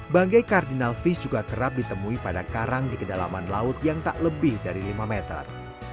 banggai kardinal fish juga kerap ditemui pada karang di kedalaman laut yang tak lebih dari lima meter